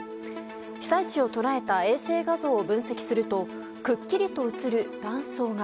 被災地を捉えた衛星画像を分析するとくっきりと映る断層が。